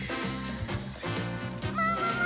ももも！